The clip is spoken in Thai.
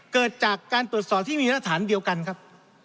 เกิดจากการตรวจสอบที่มีรัฐฐานเดียวกันครับ